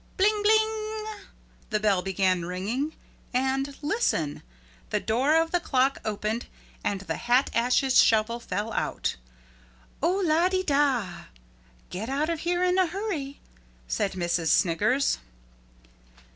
Bling bling the bell began ringing and listen the door of the clock opened and the hat ashes shovel fell out. "Oh lah de dah, get out of here in a hurry," said Missus Sniggers.